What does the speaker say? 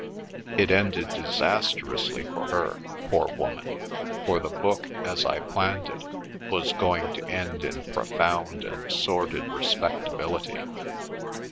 It ended disastrously for her, poor woman, for the book, as I planned it, was going to end in profound and sordid respectability.